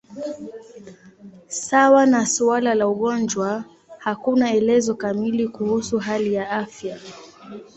Sawa na suala la ugonjwa, hakuna elezo kamili kuhusu hali ya afya.